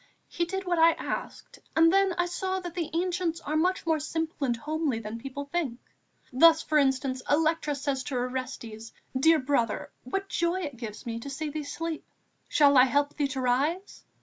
He did what I asked, and I then saw that the Ancients are much more simple and homely than people think. Thus, for instance, Electra says to Orestes: 'Dear brother, what joy it gave me to see thee sleep! Shall I help thee to rise?'